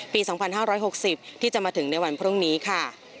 ปี๒๕๖๐ที่จะมาถึงในวันพรุ่งนี้ค่ะ